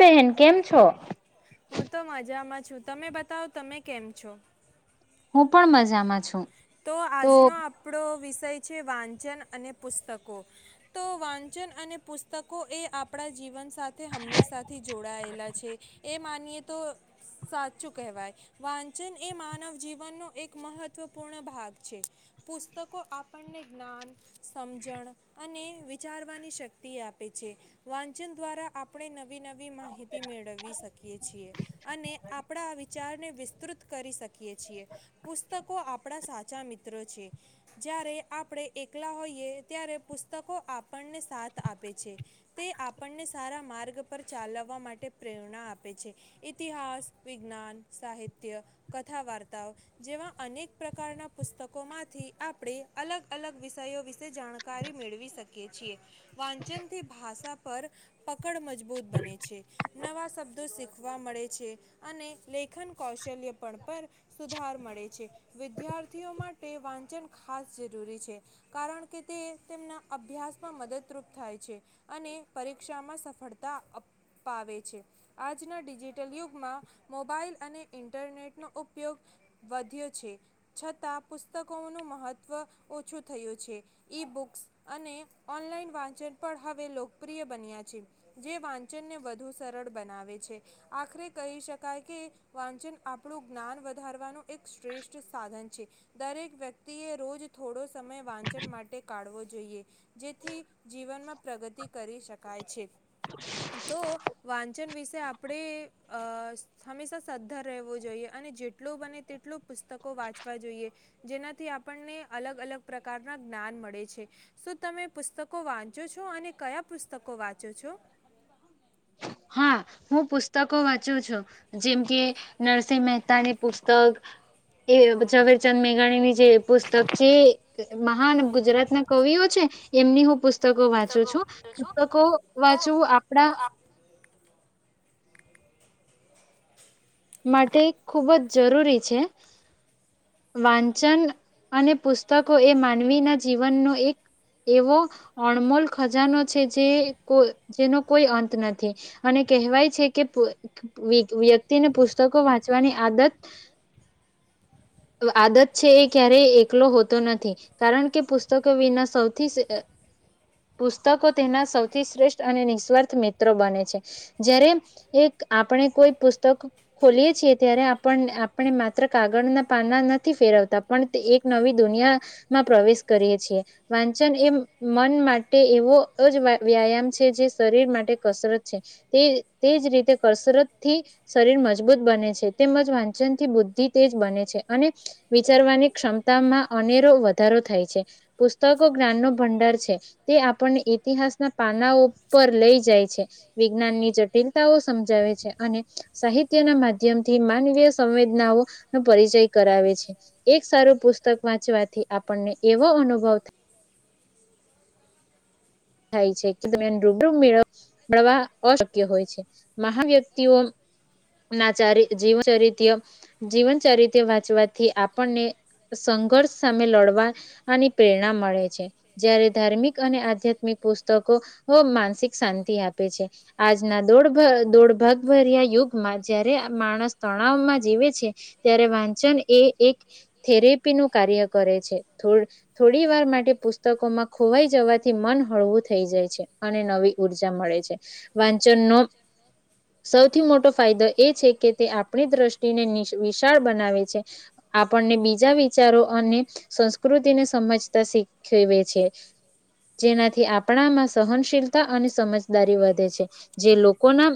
બહેન કેમ છો? હું તો મજામાં છું તમે બતાવો તમે કેમ છો? હું પણ મજામાં છું. તો આજનો આપડો વિસ થય છે વાંચન અને પુસ્તકો, તો વાંચન અને પુસ્તકો એ આપણા જીવન સાથે હંમેશાથી જોડાયેલા છે, એ માનીએ તો સાચું કહેવાય. વાંચન એ માનવ જીવનનું એક મહત્ત્વ પૂર્ણ ભાગ છે પુસ્તકો આપણને જ્ઞાન સમજણ અને વિચારવાની શક્તિ આપે છે, વાંચન દ્વારા આપણે નવી નવી માહિતી મેળવીવી શકીએ છીએ અને આપણા વિચારને વિસ્તૃત કરી શકીએ છીએ, પુસ્તકો આપ આપણા સાચા મિત્ર છે, જ્યારે આપણે એકલા હોઈએ ત્યારે પુસ્તકો આપણને સાથ આપે છે, તે આપણને સારા માર્ગ પર ચાલવવા માટે પ્રેરણા આપે છે, ઇતિહાસ, વિજ્ઞાન, સાહિત્ય, કથા, વાર્તાઓ જેવા અનેક પ્રકારના પુસ્તકો માંથી આપણે અલગ અલગ વિષયો વિશે જાણકારી મેળવી શકીએ છીએ વાંચનથી ભાષા પર પકડ મજબૂત બને છે, નવા શબ્દો શીખવા મળે છે, અને લેખન કૌશલ્ય પણ પર સુધાર મળે છે વિદ્યાર્થીઓ માટે વાંચન ખાસ જરૂરી છે કારણ કે, તે તેમના અભ્યાસમાં મદદરૂપ થાય છે અને પરીક્ષામાં સફળતા અપાવે છે આજના ડિજિટલ યુગમાં મોબાઈલ અને ઇન્ટરનેટનો ઉપયોગ વધ્યો છે છતાં પુસ્તકોનું મહત્વ ઓછું થયું છે. ઈ બુક્સ અને ઓનલાઈન વાંચન પણ હવે લોકપ્રિય બન્યા છે. જે વાંચન ને વધુ સરળ બનાવે છે, આખરે કહી શકાય કે વાંચન આપણું જ્ઞાન વધારવાનું એક શ્રેષ્ઠ સાધન છે, દરેક વ્યક્તિએ રોજ થોડો સમય વાંચન માટે કાઢવો જોઈએ, જેથી જીવનમાં પ્રગતિ કરી શકાય છે, તો વા જેમ વિશે આપણે અહ હંમેશા સદ્ધર રહેવું જોઈએ, અને જે લું બને તેટલું પુસ્તકો વાંચવા જોઈએ. જેનાથી આપણને અલગ અલગ પ્રકારના જ્ઞાન મળે છે શ તમે પુસ્તકો વાંચો છો અને કયા પુસ્તકો વાંચો છો. હા હું પુસ્તકો વાંચું છું જેમ કે નરસિંહ મહેતાની પુસ્તક એ ઝવેરચંદ મેઘાણીની જે પુસ્તક જે મહાન ગુજરાત ના કવિઓ છે એમની હું પુસ્ત. પુસ્તકો વાંચું છું પુસ્તકો વાંચવું આપડા. માટે ખૂબ જ જરૂરી છે વાંચન અને પુસ્તકો એ માનવીના જીવનનો એક એવો અણમોલ ખજાનો છે જે જેનો કોઈ અંત નથી અને કહેવાય છે કે વ્યક્તિને પત. તકો વાંચવાની આદત આદત છે એ ક્યારેય એકલો હોતો નથી કારણ કે પુસ્તકો વિના સૌથી પુસ્તકો તેના સૌથી શ્રેષ્ઠ અને નિસ્વાર્થ મિત્રો બને છે જ્યારે એક આપણે કોઈ પુસ્તક. ખોલીએ છીએ ત્યારે આપ આપણે માત્ર કાગળના પાના નથી ફેરવતા પણ તે એક નવી દુનિયામાં પ્રવેશ કરીએ છીએ વાંચન એ મન માટે એવો જ વ્યાયામ છે જે શરીર માટે કસરત છે તે તે જ રીતે કસરત થી શરીર મજ. મજબૂત બને છે તેમજ વાંચન થી બુદ્ધિ તેજ બને છે અને વિચારવાની ક્ષમતામાં અનેરો વધારો થાય છે પુસ્તકો જ્ઞાનનો ભંડાર છે તે આપણને ઇતિહાસના પા. પર લઈ જાય છે વિજ્ઞાન ની જ. િતાઓ સમજાવે છે અને સાહિત્ય. ના માધ્યમ થી માનવીય સંવેદનાઓ નો પરિચય કરાવે છે એક સારું પુસ્તક વાંચવાથી આપણને એવો અનુભવ થાય. છે ર મેળ મળવા અશક્ય હોય છે મહ વ્યક્તિઓ ના જીન ચરિત જીવન ચરિત્ર વાંચવાથી આપણને સંઘર્ષ સામે લડવાની પ્રેરણા મળે છે જ્યારે ધાર્મિક અને આધ્યાત્મ. તકો માનસિક શાંતિ આપે છે આજના દો દોડ ભાગભર્યા યુગમાં જયારે માણસ તણાવમાં જીવે છે ત્યારે વાંચન એ એક થેરેપી નું કાર્ય કરે છે થોડી વાર માટે પુસ્તકોમાં ખોવાઈ જવાથી મન. હળવું થઈ જાય છે અને નવી ઉર્જા મળે છે. વાંચનનો સૌથી મોટો ફાયદો એ છે કે તે આપણી દ્રષ્ટિને. વિશાળ બનાવે છે આપણને બીજા વિચારો અને સંસ્કૃતિને સમજતા શીખવે છે જેનાથી. થી આપણામાં સહનશીલતા અને સમજદારી વધે છે જે લોકોના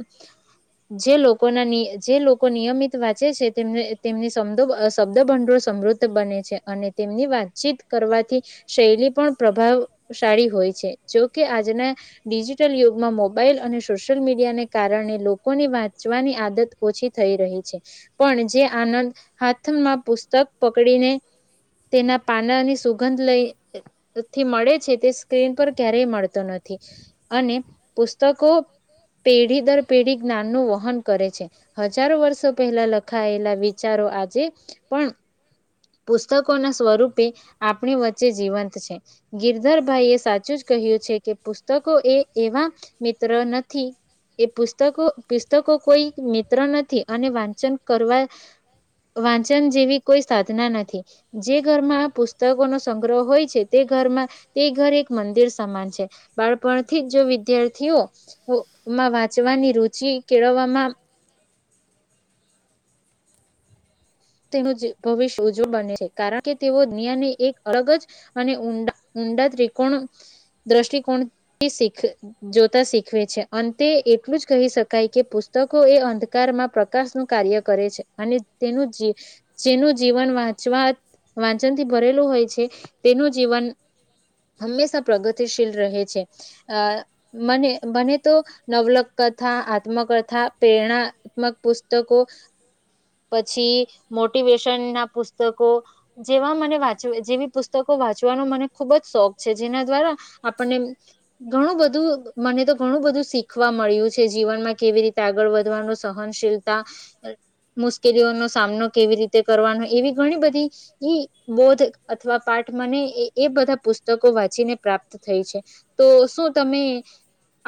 જે લોકોના જે લોકો નિયમિત વાંચે છે તેમને તેમની સમો શબ્દ ભંડોળ સમૃદ્ધ બને છે અને તેમની વાતચીત કરવાથી શૈલી પણ પ્રભાવશાળી હોય છે. જોકે આજના ડિજિટલ યુગમાં મોબાઈલ અને સોશિયલ મીડિયાને કારણે લોકોની વાંચવાની આદત ઓછી થઈ રહી છે પણ જે આનંદ હાથમાં પુસ્તક પકડીને તેના પાનાની સુગંધ લઈથી મળે છે તે સ્ક્રીન પર. ક્યારેય મળતો નથી અને. પુતકો પેઢી દર પેઢી જ્ઞાન નું વહન કરે છે. હજારો વર્ષો પહેલા લખાયેલા વિચારો આજે. પણ પુ. પુસ્તકો ના સ્વરૂપે આપણી વચ્ચે જીવંત છે ગિરધર ભાઈ એ સાચું જ. કે પુસ્તકો એ એવા મિત્ર નથી એ પુસ્તકો પુસ્તકો કોઈ મિત્ર નથી અને વાંચન કરવા વાંચન જેવી. કોઈ સાધના નથી જે ઘરમાં આ પુસ્તકો નો સંગ્રહ હોય છે તે ઘરમાં તે ઘર એક મંદિર. બાળપણથી જ જો વિદ્યાર્થીઓમાં વાંચવાની રુચિ કેળવવામાં. તે ભવિષ્ય ઉજવ બને છે કારણ કે તેઓ દુનિયાને એક અલગ જ અને ઊંડા ઊંડા ત્રિકોણ દ્રષ્ટિકોણથી શીખ જોતા શીખવે છે અંતે એટલું જ કહી શકાય કે પુસ્તકો એ અંધકારમાં પ્રકાશનુંું કાર્ય કરે છે અને તેનું. જેનું જીવન વાંચવા વાંચનથી ભરેલું હોય છે તેનું જીવન હંમેશા પ્રગતિશીલ રહે છે અ મને મને તો નવલક કથા આત્મકથા પ્રેરણાત્મક પુસ્તકો. પછી મોટિવેશન ના પુસ્તકો જેવા મને વાંચ જેવી પુસ્તકો વાંચવાનો મને ખુબ જ શોખ છે જેના દ્વારા આપણને ઘણું બધું મને તો ઘણું બધું શીખવા મળ્યું છે જીવનમાં કેવી રીતે આગળ વધવાનું સહનશીલતા. મુશ્કેલીઓનો સામનો કેવી રીતે કરવાનો એવી ઘણી બધી બોધ અથવા પાઠ મને એ બધા પુસ્તકો વાંચીને પ્રાપ્ત થઈ છે તો શું તમે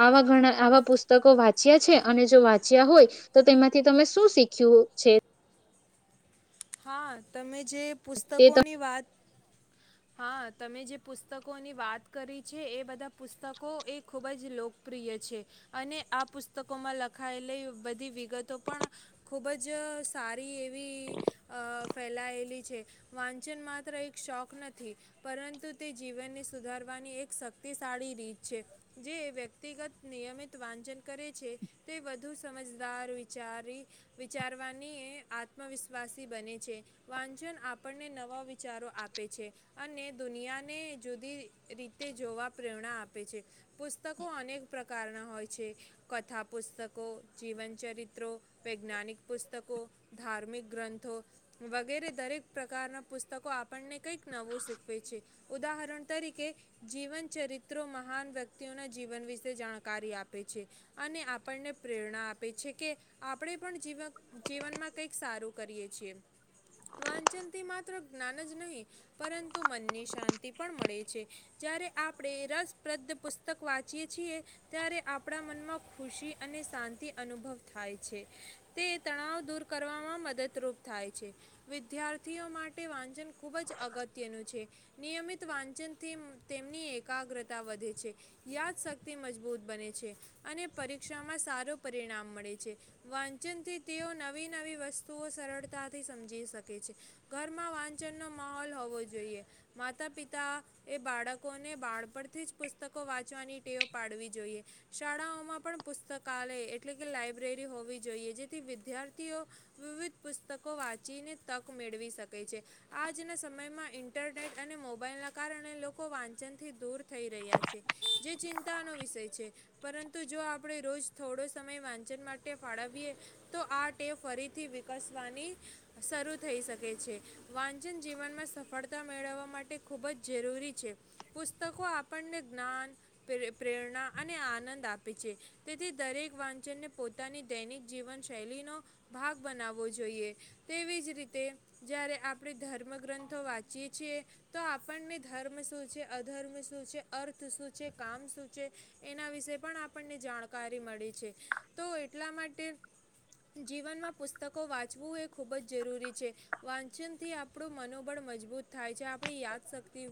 આવા ઘણા આવા પુસ્તકો વાંચ્યા છે અને જો વાંચ્યા હોય તો તેમાંથી તમે શું શીખ્યું. છે. હા તમે જે. તે પુસ્તકોની વાત. હા તમે જે પુસ્તકોની વાત કરી છે એ બધા પુસ્તકો એ ખૂબ જ લોકપ્રિય છે અને આ પુસ્તકોમાં લખાયેલી બધી વિગતો પણ ખૂબ જ સારી એવી. અ ફેલાયેલી છે વાંચન માત્ર એક શોખ નથી પરંતુ તે જીવનને સુધારવાની એક શક્તિશાળી રીત છે જે વ્યક્તિગત નિયમિત વાંચન કરે છે તે વધુ સમજદાર વિચારી વિચારવાની આત્મવિશ્વાસ. બને છે વાંચન આપણને નવા વિચારો આપે છે અને દુનિયાને જુદી રીતે જોવા પ્રેરણા આપે છે પુસ્તકો અનેક પ્રકારના હોય છે કથા પુસ્તકો જીવનચરિત્રો વૈજ્ઞાનિક પુસ્તકો ધાર્મિક ગ્રંથ. વગેરે દરેક પ્રકારના પુસ્તકો આપણને કંઈક નવું શીખવે છે ઉદાહરણ તરીકે જીવન ચરિત્રો મહાન વ્યક્તિઓના જીવન વિશે જાણકારી આપે છે અને આપણને પ્રેરણા આપે છે કે આપણે પણ જીવ જીવનમાં કંઈક સારું કરીએ. છીએ વાંચનથી માત્ર જ્ઞાન જ નહીં પરંતુ મનની શાંતિ પણ મળે છે જય્યારે આપણે રસપ્રદ પુસ્તક વાંચીએ છીએ. ત્યારે આપણા મનમાં. ખુશી અને શાંતિ અનુભવ થાય છે, તે તણાવ દૂર કરવામાં મદદરૂપ થાય છે, વિદ્યાર્થીઓ માટે વાંચન ખૂબ જ અગત્યનું છે, નિયમિત વાંચનથી તેમની એકાગ્રતા વધે છે, યાદશક્તિ મજબૂત બને છે અને પરીક્ષામાં સારું પરિણામ મળે છે, વાંચનથી તેઓ નવી નવી વસ્તુઓ સરળ સરળતા થી સમજી શકે છે, ઘરમાં વાંચનનો માહોલ હોવો જોઈએ, માતા પિતા એ બાળકોને બાળપણથી જ પુસ્તકો વાંચવાની ટેવ પાડવી જોઈએ, શાળાઓમાં પણ પુસ્તકાલય એટલે કે લાયબ્રેરી હોવી જોઈએ, જેથી વિદ્યાર્થીઓ, વિવિધ પુસ્તકો વાંચીને તક મેળવી શકે છે, આજના સમયમાં ઇન્ટરનેટ અને મોબાઈલના કારણે લોકો વાંચનથી દૂર થઈ રહ્યા છે. જે ચિંતા નો વિષય છે. પરંતુ જો આપણે રોજ થોડો સમય વાંચન માટે ફાળવીએ, તો આ ટેવ ફરીથી વિકસ વાની શરૂ થઈ શકે છે, વાંચન જીવનમાં સફળતા મેળવવા માટે ખૂબ જ જરૂરી છે, પુસ્તકો આપણને જ્ઞાન, પ્રેર, પ્રેરણા અને આનંદ આપે છે, તેથી દરેક વાંચનને પોતાની દૈનિક જીવન શૈલીનો ભાગ બનાવો. હોવો જોઈએ, તેવી જ રીતે જ્યારે આપણે ધર્મ ગ્રંથો વાંચીએ છીએ, તો આપણને ધર્મ શું છે? અધર્મ શું છે? અર્થ શું છે? કામ શું છે? એના વિશે પણ આપણને જાણકારી મળી છે, તો એટલા માટે જીવનમાં પુસ્તકો પુસ્તકો વાંચવું એ ખૂબ જ જરૂરી છે. વાંચનથી આપણું મનોબળ મજબૂત થાય છે. આપણી યાદશક્તિ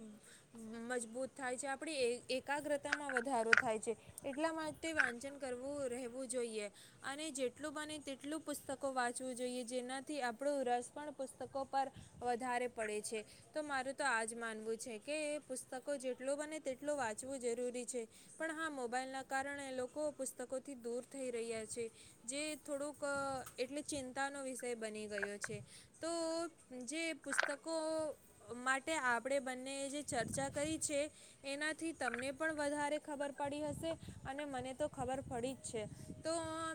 મજબૂત થાય છે, આપણી એકાગ્રતામાં વધારો થાય છે, એટલા માટે વાંચન કરવું રહેવું જોઈએ અને જેટલું બને તેટલું પુસ્તકો વાંચ વાંચવું જોઈએ. જેનાથી આપણું રસ પણ પુસ્તકો પર વધારે પડે છે, તો મારું તો આ જ માનવું છે કે પુસ્તકો જેટલું બને તેટલું વાંચવું જરૂરી છે, પણ હા મોબાઈલના કારણે લોકો લોકો પુસ્તકોથી દૂર થઈ રહ્યા છે જે થોડુંક અ એટલે ચિંતાનો વિષ તે બની ગયો છે, તો જે પુસ્તકો માટે આપણે બંનેએ જે ચર્ચા કરી છે, એનાથી તમને પણ વધારે ખબર પડી હશે અને મને તો ખબર પડી જ છે. તો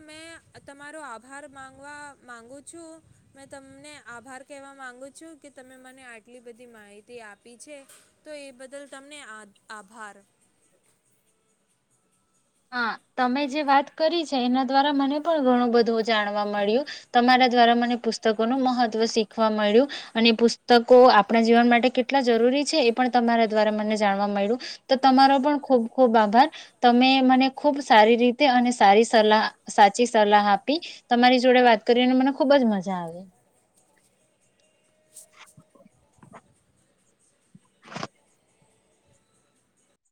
મેં તમારો આભાર માગુ. [unintelligible] માંગુ છું. મેં તમને આભાર કહેવા માંગુ છું કે, તમે મને આટલી બધી માહિતી આપી છે, તો એ બદલ તમને આ આભાર. હા. તમે જે વાત કરી છે, એના દ્વારા મને પણ ઘણું બધું જાણવા મળ્યું. તમારા દ્વારા મને પુસ્તકો નું મહત્વ શીખવા મળ્યું અને પુસ્તકો આપણા જીવન માટે કેટલા જરૂરી છે, એ પણ તમારા દ્વારા મને જાણવા મળ્યું. તમારો પણ ખૂબ ખૂબ આભાર. તમે મને ખૂબ સારી રીતે અને સારી સલાહ સાચી સલાહ આપી. તમારી જોડે વાત કરીને મને ખૂબ જ મજા આવી. [inaudible]